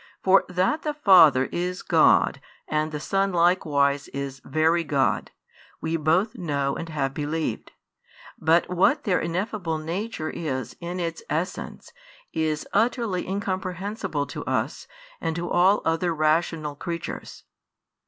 For that the Father is God and the Son likewise is Very God, we both know and have believed: but what their ineffable Nature is in its Essence is utterly incomprehensible to us and to all other rational creatures.